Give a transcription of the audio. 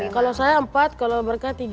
kalau saya empat kalau mereka tiga